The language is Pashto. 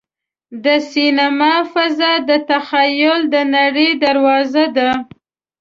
د سینما فضا د تخیل د نړۍ دروازه ده.